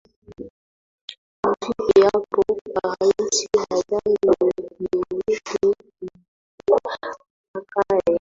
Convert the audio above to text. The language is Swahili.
o vipi hapo kwa rais ajae yeyote tu yule atakae